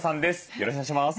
よろしくお願いします。